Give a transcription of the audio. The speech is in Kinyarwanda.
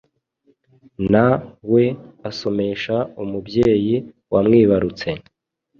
na we asomesha umubyeyi wamwibarutse